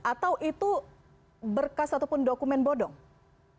atau itu berkas ataupun dokumen berkas yang selalu ada di dalam perpres